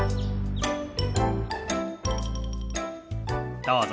どうぞ。